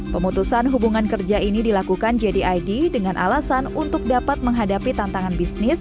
pemutusan hubungan kerja ini dilakukan jdid dengan alasan untuk dapat menghadapi tantangan bisnis